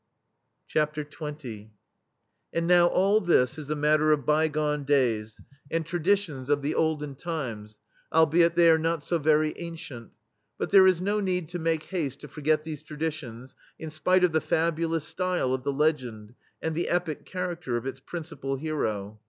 XX And now all this is "a matter of by gone days" and "traditions of the olden THE STEEL FLEA times/' albeit they are not so very an cient. But there is no need to make haste to forget these traditions, in spite of the fabulous style of the legend, and the epic charafter of its principal hero.